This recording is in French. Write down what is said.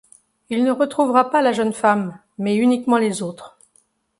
Il ne retrouvera pas la jeune femme, mais uniquement les autres.